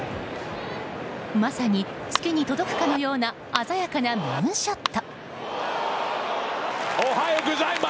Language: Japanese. まさに月に届くかのような鮮やかなムーンショット！